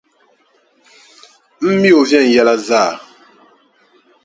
M mi o viɛnyɛla zaa.